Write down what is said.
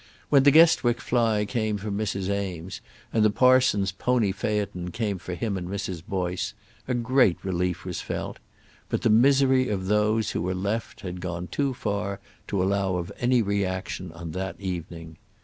When the Guestwick fly came for Mrs. Eames, and the parson's pony phaeton came for him and Mrs. Boyce, a great relief was felt; but the misery of those who were left had gone too far to allow of any reaction on that evening.